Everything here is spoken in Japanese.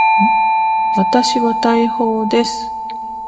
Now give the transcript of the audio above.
私は大砲です。